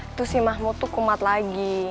itu si mahmud tuh kumat lagi